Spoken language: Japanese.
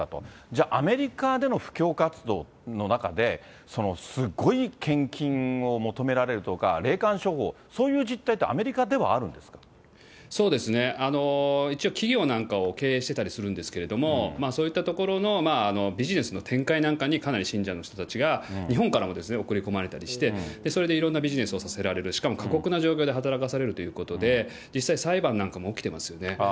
じゃあ、アメリカでの布教活動の中で、すごい献金を求められるとか、霊感商法、そういう実態って、そうですね、一応企業なんかを経営してたりするんですけれども、そういったところのビジネスの展開なんかに、かなり信者の人たちが日本からも、送り込まれたりして、それでいろんなビジネスをさせられる、しかも過酷な状況で働かされるということで、実際、裁判なんかも起きてますよね。